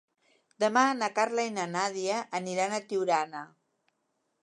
Demà na Carla i na Nàdia aniran a Tiurana.